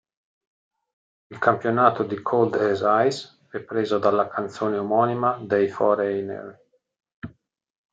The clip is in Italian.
Il campionamento di "Cold as Ice" è preso dalla canzone omonima dei Foreigner.